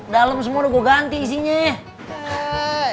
dalem semua udah gue ganti isinya ya